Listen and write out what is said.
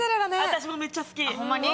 私もめっちゃ好き。